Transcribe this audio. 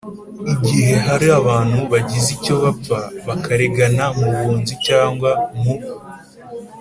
igihe hari abantu bagize icyo bapfa bakaregana mu bunzi cyangwa mu